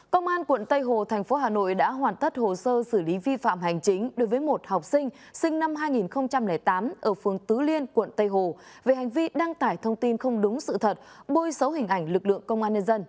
công an tp hcm đã hoàn tất hồ sơ xử lý vi phạm hành chính đối với một học sinh sinh năm hai nghìn tám ở phương tứ liên quận tây hồ về hành vi đăng tải thông tin không đúng sự thật bôi xấu hình ảnh lực lượng công an